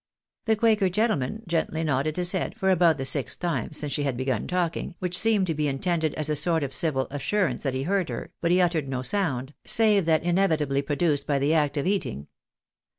The quaker gentleman gently nodded his head for about the sixth time since she had begun talking, which seemed to be in tended as a sort of civil assurance that he heard her, but he uttered no sound, save that inevitably produced by the act of eat ing.